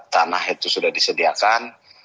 tanah itu sudah disediakan